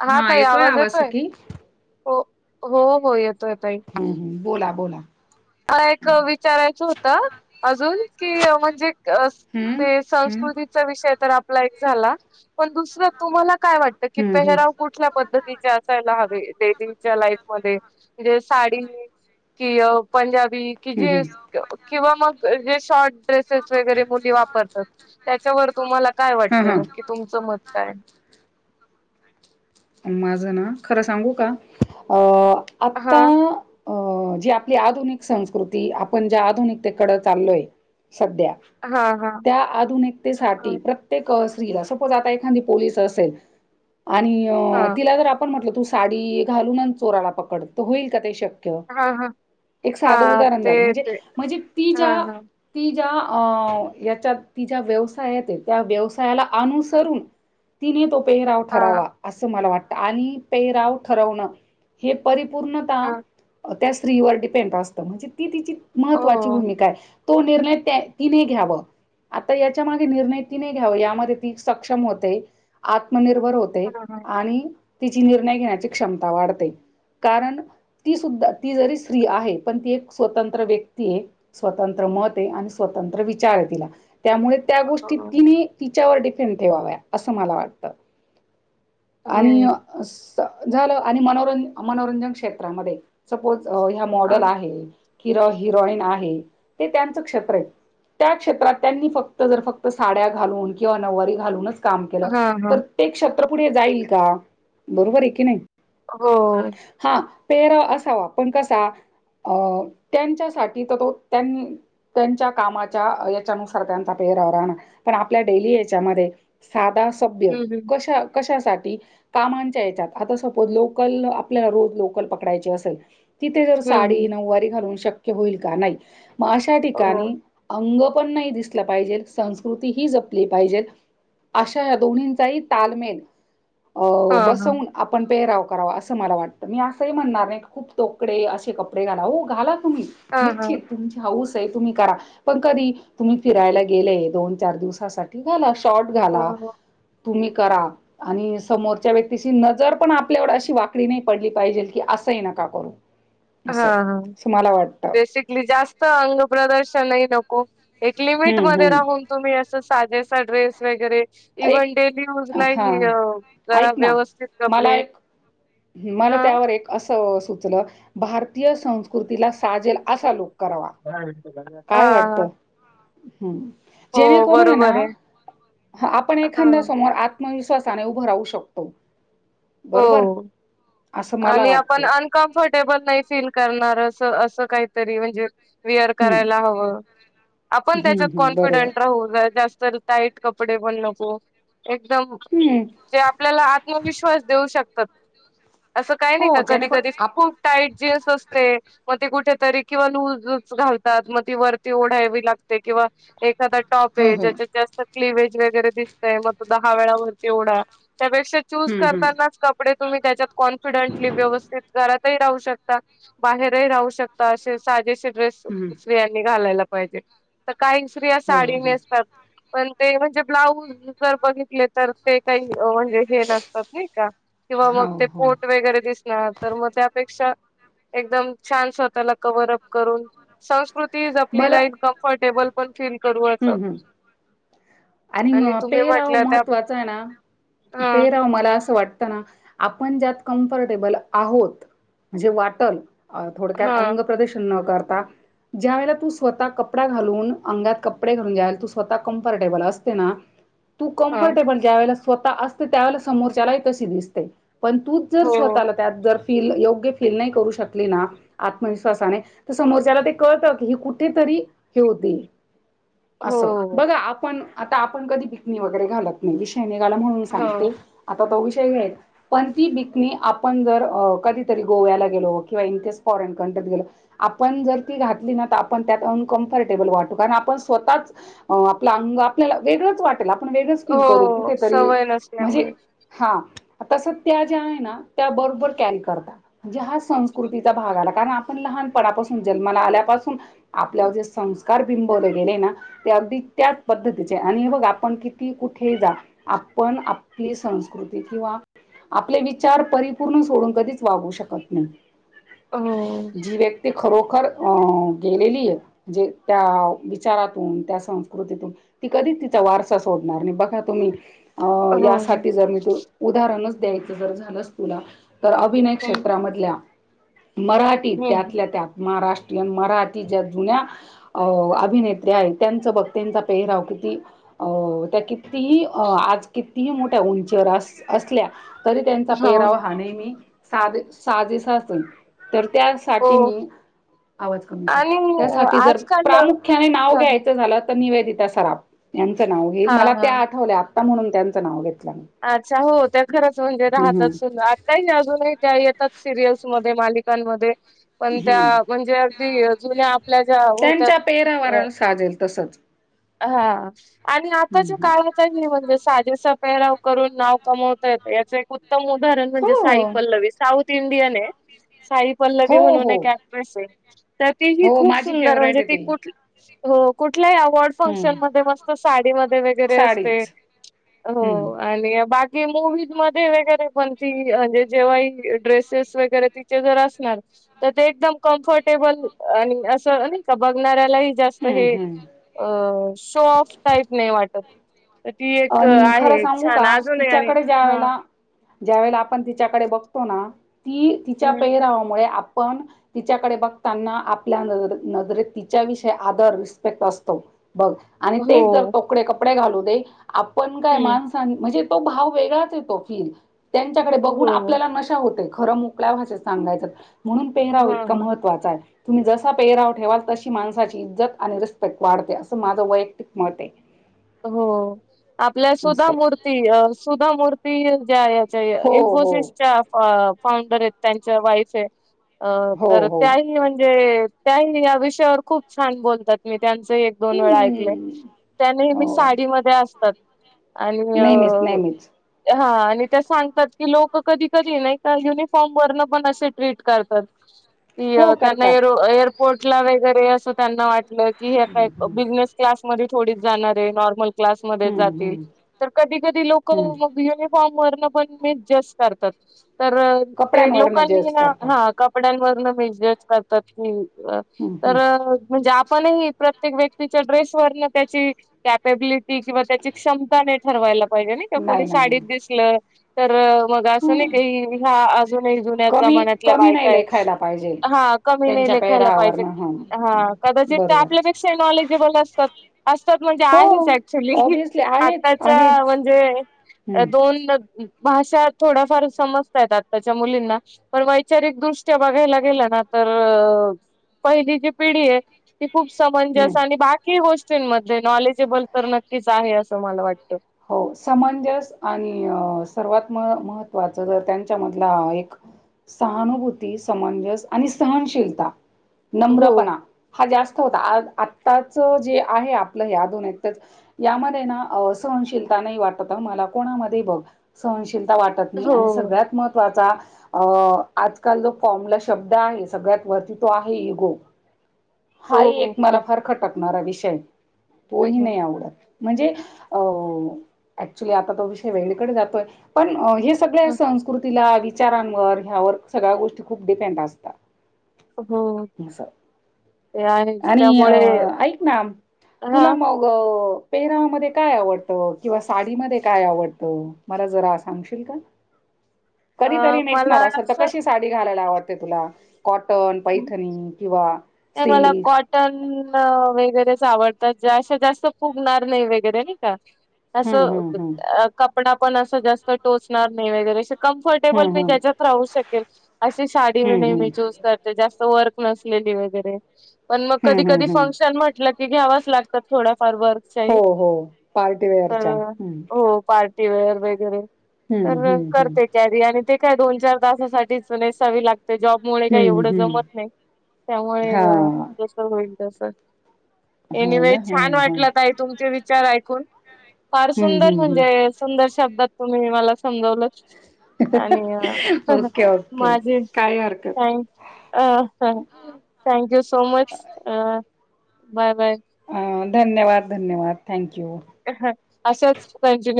हा त आवाज येतोय हो हो हो येतोयो. हम् हम बोला बोला. एक विचारायचं होत अजून कि म्हणजे. हम्म हम्म. ते हम्म संस्कृतीचा विषय तर आपला एक झाला पण दुसरं तुम्हाला काय वाटत. तर कि हम्म. पेहराव कुठल्या पद्धतीचे असायला हवे डेलीच्या लाईफ मध्ये म्हणजे साडी कि पंजाबी कि हम्म हम्म. जेनस किंवा मग जे शॉर्ट ्रेसेस वगैरे वापतात त्याच्यावर तुम्हाला काय हा वाटत हा. न तुमच मत काय. माझं ना खरं सांगू का अं आता. हा आता जी आपली आधुनिक संस्कृती आपण ज्या आधुनिकते कडे चाललोय. सध्या हा हा त्या हा आधुनिकतेसाठी प्रत्येक. आ एखा प असेल आणि हा तिला आपण म्हट. तू साडी घालून चोराला पकडत तर होईल का ते शक्य. हा हा एक साधं हां, उदाहरण झालं ते म्हणजे ते. म्हणजे ती ज्या हां, हां. ती ज्या. अ याच्या ती ज्या व्यवसाय येते त्या व्यवसायाला अ, अनुसरून ती नेतो. पेहराव हां, ठरावा असं मला वाटत आणि पेहराव ठरवण हे पर. पूर्ण हां. त्या स्त्रीवर डिपेंड असत म्हणजे ती तिची महत्वाची हो. भूमिका आहे. तो निर्णय त्या तिने घ्याव. आता याच्या मागे निर्णय ती नाही घ्यावा यामध्ये ती सक्षम होते आ. निर्भर होते. हां, हां. आणि तिची निर्णय घेण्याची क्षमता वाढते. कारण ती सुद्धा ती जरी स्त्री आहे पण ती एक स्वतंत्र व्यक्ती आहे स्वतंत्र. मत आणि स्वतंत्र विचार आहे तिला. त्यामुळे त्या हो, गोष्टी हो. तिने तिच्यावर डिफेंट ठेवाव्या असं मला वाटतं. आणि झालं आणि म मनोरंजन क्षेत्रामध्ये सपोज. ह्या अ, मॉडल आहे हि हिरोईन आहे ते त्यांचं क्षेत्र आहे. त्या क्षेत्रात त्यांनी फक्त जर फक्त साड्या घालून किंवा नवारी घालूनच. काम केलं हां, तर हां. ते क्षत्रपुढे जाईल का बरोबर आहे की नाही. हो. पेरा असावा पण कसा. अ त्यांच्यासाठी तर तो त्यां त्यांच्या कामाच्या याच्यानुसार त्यांचा प. आपल्या ध सभ हं, हं. क. कशासाठी कामांच्या याच्यात आता सपोज लोकल आपल्याला रोज लोकल पकडायचे असेल. तिथे जर हं, साडी हं. नऊवारी घालून शक्य होईल का नाही मग अशा ठिकाणी हो. अंग. कोण नाही दिसला पाहिजे संस्कृती ही जपली पाहिजे. अशा या दोन्हींचाही तालमेल. अ हां, हां. बसवून आपण पेराव. कराव अस मला वाटतं. मी असंही म्हणणार नाही की, खूप तोकडे असे कपडे घाला हो घाला तुम्ही हां, हां. निश्चित तुमची हौस तेय तुम्ही करा पण, कधी तुम्ही फिरायला गेलेय दोन चार दिवसांसाठी घाला. शॉट हो, घाला हो. तुम्ही करा आणि समोरच्या व्यक्तीची नजर पण, आपल्या कड अशी वाकडी नाही पडली पाहिजे, की असंही नका करू. हा असं हा असं मला वाटतं बेसिकली जास्त स्त अंग प्रदर्शन ही नको, एक हम्म लिमिटमध्ये हम्म राहून तुम्हीं असं साजेसा ड्रेस वगैरे एक इव्हन डेली यूज हा लाई जरा व्यवस्थित कपडे हम्म मला हां. त्यावर एक असं सुचलं, भारतीय संस्कृतीला साजेल असा लुक. करावा हां, काय हां. वाटतं? हम्म जेणें हो, करून हैना बरोबर आहे. ह आपण एखाद्या हां, समोर आत्मविश्वास सान उभ राहू शकतो, बरोबर? हो. असं मला आणि आपण वाटतो. अनकम्फर्टेबल नाही फील करणार अस असं काहीतरी म्हंजे विअर हं, करायला हवं, आपण हं, त्याच्यात हं. बरोबर. कॉन्फिडेंट राहू ज जास्त पण टाईट कपडे पण नको, एकदम हं. जो आपल्याला आत्मविश्वास देऊ शकतात अस काही नाही हो का कधी कधी जेणेकरून आप खूप टाईट जीन्स असते पण कुठेतरी किंवा लूजच घालतात मग ती वरती ओढावी लागते किंवा एक दा टॉप हो, य हो. ज्याच्यात जास्त क्लिव्हेज वगैरे दिसतंय, मग तो दहा वेळा वरती ओढा त्यापेक्षा चूस हं, हं. करतानाच कपडे तुम्ही त्याच्यात कॉन्फिडंटली व्यवस्थित घरात ही राहू शकता, बाहेर ही राहू शकता, असे साजेशे ड्रेस हं. स्त्रियांनी घालायला पाहिजे, त काही स्त्रिया हो, साडी हो. नेसतात पण ते म्हणजे ब्लाऊज जर बघितले, तर ते काही म्हंजे हे नसतात नाही का किंवा मग हो, ते हो. पोट वगैरे दिसण तर मग त्यापेक्षा एकदम छान स्वतःला कवर अप करून संस्कृ कृती जपली मला जाईल कम्फर्टेबल पण फील करू असं. हं, हं. आणि म तुम्ही पेहराव म्हटल्या त्या महत्त्वाचा आहे ना, हा पेराव मला असं वाटत तना आपण ज्यात कमफर्टेबल आहोत म्हंजे वाटल. अ थोडक्यांत हा अंग प्रदर्शन न करता, ज्या वेळेला तू स्वतः कपडा घालून अंगात कप पडे घालून तू स्वतः कंफर्टेबल असते ना, तू हा कम्फर्टेबल ज्या वेळेला स्वतः असते त्यावेळा समोरच्यालाही तशी दिसते, पण तूच जर हो स्वतःला त्यात जर फील योग्य फील नाही करू शकली ना, आत्मविश्वासाने त समोरच्या ला ते कळतं की ही कुठं तरी री हे होती. असो हो बघा आपण आता आपण कधी बिकनी वगैरे घालत नाही विष य निघाला म्हणून हो सांगते, आता तो विषय ते मिळेल पण ति बिकणी आपण जर, अ कधी तरी गोव्याला गेलो किंवा इनकेस फॉरेन कंट्री म त्यात गेलो आपण जर ती घातली न, आपण त्यात अनकम्फरटेबल वाटू कारण आपण स्वतःच आपलं अंग आपल्याला वेगळंच वाटेल आप आपण वेगळंच फील करू हो कुठेतरी सवय म्हंजे नसल्यामुळे हां तसं त्या ज्या आहे ना त्या बरोबर कॅरी करता. म्हणजे हा संस्कृतीचा भाग आला कारण, आपण लहान नपणापासून जन्माला आल्यापासून आपल्यावर जे संस्कार बिंबवले गेले ना ते अगदी त्याच पद्धतीचे आणि बघ आपण किती कुठे जा आपण आप पली संस्कृती किंवा आपले विचार परिपूर्ण सोडून कधीच वागू शकत नाही. हो जी व्यक्ती खरोखर अ गेलेली आहे म्हजे त्या चारातून त्या संस्कृतीतून ती कधी तिचा वारसा सोडणार नाही बघा तुम्ही अ हो यासाठी जर मी तू उदाहरणच द्यायचं जर झालंच तुला तर अभिनय हम्म क्षेत्रामधल्या मराठी हम्म त्यातल्या त्यात महाराष्ट्रीयन मराठी ज्या जुन्या अ अभिने त्या आहेत त्यांचा बघ त्यांचा पेहराव किती अ त्या किती ही आज किती ि मोठ्या उंचीवर अस असल्या तरी त्यांचा हो पेराव हा नेहमी.. साधे साजेस असेल तर.. हो त्यासाठी मी आवाज कमी कर आणि त्यासाठी जर आजकाल प्रामुख्याने नाव.. हा हा घ्यायच झा तर निवेदिता सराप यांच नाव घे हा मला हा त्या आठवल्या आता म्हणून त्यांच नाव घेत. अच्छा हो त्या घराच म्हणजे हम्म राहतच सु हम्म आता नाही अजूनही त्या येत.. सिरियल्समध्येध्ये मालिकांमध्ये.. पण त्या हम्म म्हणजे अगदी जुन्या आपल्या ज्या होत्या.. त्यांच्या पेहरावाला साजेल तसच हा आणि हम्म आताच्या हम्म. काळाचा हे म्हणजे सा.. ज पराव करून नाव कमवता येत याच एक उत्तम उदाहरण म्हणजे साई हो. पल्लवी साथ. इंडिनने साई पल्लगे हो हो. एक कॅक्ट्रेस आहे. तर ती ही हो खूप माझी सुंदर फेवरेट म्हणजे आहे ती कुठठ.. कु अवॉर्ड हम्म. फंक्शन म मस्त साडी म वगैरे असते साडीच. हो. हम्म. आणि बाकी मज म वगरे पण ती म्हणजे जेव्हा ड्रेसेस वगैरे तिचे जर अस.. क ब.. जास्त हम्म हे हम्म. शॉफ्ट टाईप नाही वाटत. तर ती एक आणि आहे खरं सांगू छान का अजूनही आणि तिच्याकडे ज्या हा.. वेळेला ज्या वेळेला आपण तिच्याकडे बघतो ना ती तिच्या हम्म. पैरावामुळे.. पण तिच्याकडे बघताना आपल्या नजरेत तिच्याविषयी आदर रिस्पेक्ट असतो. बघ आणि हो. तेच जर तोकडे कपडे घालू दे आपण काय हो. माणसां म्हणजे तो भाव वेगळाच येतो फील त्यांच्याकडे बघून हो. आपल्याला नशा होते खरं मोकल्या भाषेत सांगायचं म्हणून पेहराव हां, इतका हां. महत्त्वाचा आहे तुम्ही जसा पेराव ठेवाल तशी माणसाची इज्जत आणि रिस्पेक्ट वाढते असं माझं वैयक्तिक मत आहे हो आपल्या सुधा असं मूर्ती सुधा मूर्ती ज्या आहेत हो हो इन्फोसिसच्या फाउंडर आहेत त्यांच्या वाईफ आहे अ हो तर हो त्याही म्हणजे त्याही या विषयावर खूप छान बोलतात मी त्यांच एक दोन वेळा ऐकले हम्म त्या मी हो साडीमध्ये असतात नेहमीच नेहमीच आणि ते सांगतात की लोक कधी कधी नाही का युनिफॉर्म वर पण असे ट्रीट करतात हो त्यांना ए करतात एअरपोर्ट ला वगरे असं त्यांना वाट की हे काय हम्म हम्म बिझनेस क्लास मध्ये थोडी जाणार आहे नॉर्मल क्स हम्म ज कधी कधी लोक हम्म युनॉर्म लोकां कपड्यांवरन जज करतात कड हम्म हम्म म्हणे आपण प्रत्येक व्यक्तीच्या ड्रेस व त्याची कॅपेबिलिटी किंवा त्याची क्षमता नाही ठरवायला पाहिजे ना किंवा कोणी नाही नाही साडीत नाही दिसलं तर मग असं नाही हम्म का ह अजूनही जुन्या कमी जमान्यातल्या कमी बायका नाही आहेत लेखायला पाहिजे हा कमी त्यांच्या नाही ायला पाजे पेहरावरन ह कदाचित बरोबर आपल्यापेक्षा नॉलेजेबल असतात अस म्हणजे आहे हो ऍक्च्युली ऑब्विसली आहेच आताच्या आहेच म्हणजे हम्म दोन भाषा थोडाफार समजताय आत्ताच्या मुलींना पण वैचारिकदृष्ट्या बघायला गेलं ना आता तर पहिली जी पिढी आहे त खूप समंजस हम्म आणि बाकी गोष्टींमध्ये नॉलेजेबल तर नक्कीच आहे असं मला वाटतं हो समंजस आणि सर्वात म महत्त्वाच जर त्यांच्यामधला एक सहानुभूती समंजस आणि सहनशीलता हो नम्रपणा हा जास्त आताच जे आहे आपलंच यामध्ये ना सहनशीलता नाही वाटत मला कोणामध्ये बघ सहनशील वाटत नाही हो आणि सगळ्यात महत्त्वाचा अ आजकाल जो फॉर्मला शब्द आहे सगळ्यात वरती तो आहे इगो हाही एक हो मला फार खटकणारा विषय तोही हो नाही आवडत म्हणजे अ ऍक्च्युली आता तो विषय वेगळीकडे जातोय पण हे सगळ्या संस्कृतीला विचारांवर ह्यावर सगळ्या गोष्टी खूप डिपेंड असतात. होम असं [inaudible] आणि ऐक ना हा तुला मग, पेहरावा म काय आवडत किंवा साडीमध्ये काय आवडतं मला जरा सांगशील का? अ कधीतरी मला नेसणार असेल तर असं कशी साडी घालायला आवडते तुला? कॉटन, पैठनी किंवा सिल्क ण वगैरेच आवडतात अशा जास्त फुगणार नाही वगैरे नाही का. हम्म असं हम्म हम्म कपडा पण असं जास्त टोचणार नाही वगरे कम्फर्टेबल हम्म मी हम्म त्याच्यात राहू शकेल अशी साडी म्ह हम्म नाही मी हम्म चूज करते. व न व कधी हम्म कध हम्म हम्म म्हट घ ला ड [inaudible] फर वर्क हो हो तर पार्टीवेअरच्या हम्म हो पार्टीवेअर वगैरे हम्म तर हम्म हम्म. करते कॅरी आणि ते काय दोन चार तासासाठीच नेसावी लागते जॉबमुळे काय हम्म एवढं जमत हम्म नाही त्यामुळे हा जस होईल तस हो एनिवे ना हा छान हा. वाटलं का आहे तुमचे विचार ऐकून फार हम्म सुंदर हम्म म्हणजे हम्म सुंदर शब्दात तुम्ही मला समजवलं. आणि ओके ओके माझे काही हरकत कायम अ हा थँक यू सो मच अ बाय बाय, अ धन्यवाद धन्यवाद थँक्यू. ह अशाच कंटिन्यू